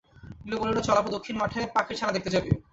নীলু বলিল, চল অপু, দক্ষিণ মাঠে পাখির ছানা দেখতে যাবি?